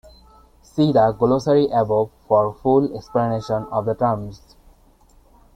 See the glossary above for full explanations of the terms.